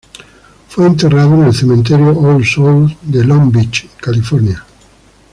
Fue enterrado en el Cementerio All Souls de Long Beach, California.